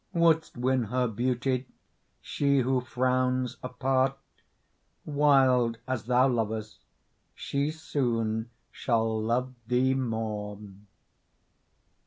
Wouldst win her beauty, she who frowns apart? Wild as thou lovest, she soon shall love thee more."